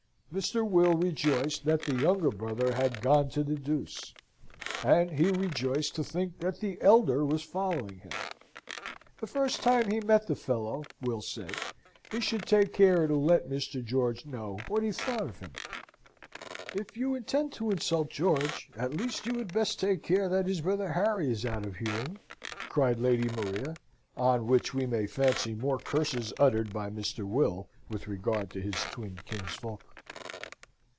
Mr. Will rejoiced that the younger brother had gone to the deuce, and he rejoiced to think that the elder was following him. The first time he met the fellow, Will said, he should take care to let Mr. George know what he thought of him. "If you intend to insult George, at least you had best take care that his brother Harry is out of hearing!" cried Lady Maria on which we may fancy more curses uttered by Mr. Will, with regard to his twin kinsfolk.